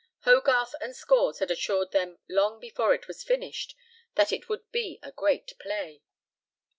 Hogarth and Scores had assured them long before it was finished that it would be a great play.